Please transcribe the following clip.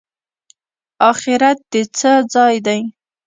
اخرت د څه ځای دی؟